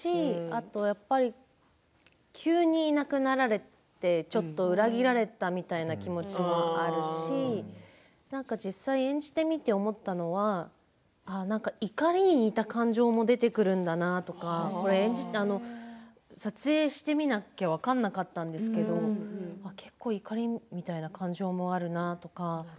あとやっぱり急にいなくなられてちょっと裏切られたみたいな気持ちもあるし演じてみて思ったのは怒りに似た感情も出てくるんだなとか撮影してみなきゃ分からなかったんですけど結構、怒りみたいな感情もあるなとか。